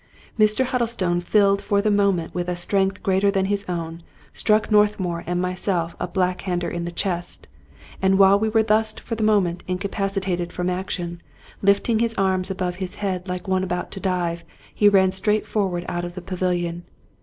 Mr. Huddlestone, filled for the moment with a strength greater than his own, struck Northmour and myself a back hander in the chest ; and while we were thus for the moment incapacitated from action, lifting his arms above his head like one about to dive, he ran straight forward out of the pavilion.